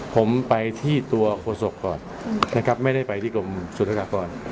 ผมไปที่ตัวโฆษกก่อนนะครับไม่ได้ไปที่กรมสุรกากร